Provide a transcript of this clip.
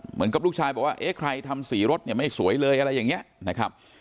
เหมือนกับลูกชายบอกว่าเอ๊ะใครทำสีรถเนี่ยไม่สวยเลยอะไรอย่างนี้นะครับ